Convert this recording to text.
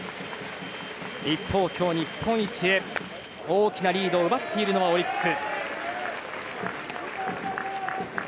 一方、今日、日本一へ大きなリードを奪っているのはオリックス。